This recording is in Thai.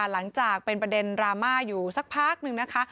หลังจากเป็นประเด็นดราม่าอยู่สักพักนึงนะคะ